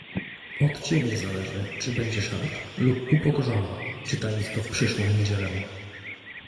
"Od ciebie zależy, czy będziesz rad lub upokorzony, czytając to w przyszłą niedzielę."